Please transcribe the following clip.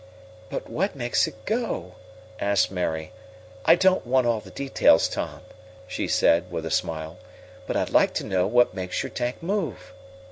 "But what makes it go?" asked Mary. "I don't want all the details, Tom," she said, with a smile, "but I'd like to know what makes your tank move."